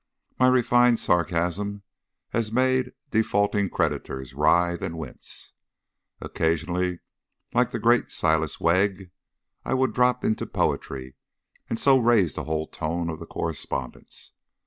My refined sarcasm has made defaulting creditors writhe and wince. Occasionally, like the great Silas Wegg, I would drop into poetry, and so raise the whole tone of the correspondence.